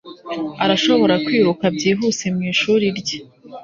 Arashobora kwiruka byihuse mwishuri rye.